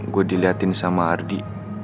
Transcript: gue diliatin sama ardi